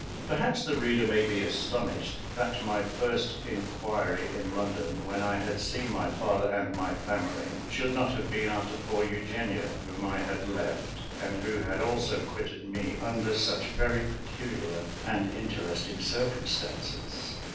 Perhaps the reader may be astonished that my first inquiry in London, when I had seen my father and my family, should not have been after poor Eugenia, whom I had left, and who also had quitted me, under such very peculiar and interesting circumstances.